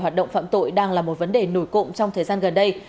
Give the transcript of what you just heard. hoạt động phạm tội đang là một vấn đề nổi cộng trong thời gian gần đây